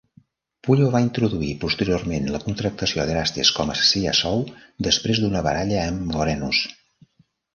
Pullo va introduir posteriorment la contractació d"Erastes com assassí a sou després d"una baralla amb Vorenus.